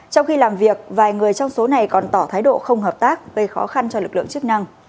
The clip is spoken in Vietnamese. trong khi làm việc vài người trong số này còn tỏ thái độ không hợp tác gây khó khăn cho lực lượng chức năng